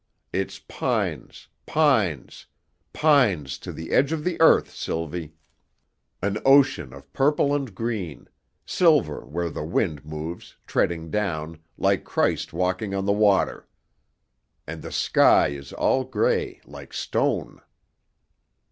It's pines, pines, pines to the edge of the earth, Sylvie, an ocean of purple and green silver where the wind moves, treading down, like Christ walking on the water. And the sky is all gray, like stone."